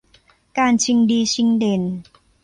การชิงดีชิงเด่น